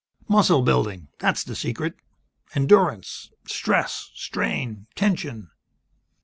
"Muscle building. That's the secret. Endurance. Stress. Strain. Tension."